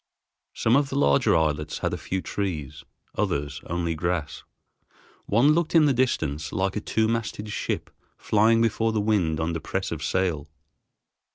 Some of the larger islets had a few trees, others only grass. One looked in the distance like a two masted ship flying before the wind under press of sail.